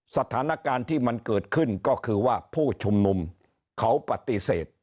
สถานการณ์ที่มันเกิดขึ้นก็คือว่าผู้ชุมนุมเขาปฏิเสธ